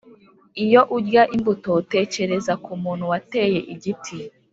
iyo urya imbuto tekereza ku muntu wateye igiti.